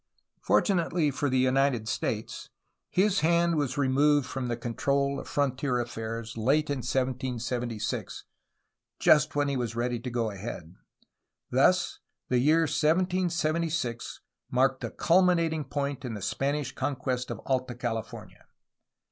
Fortunately for the United States, his hand was removed from the control of frontier affairs late in 1776, just when he was ready to go ahead. Thus the year 1776 marked the culminating point in the Spanish conquest of Alta California.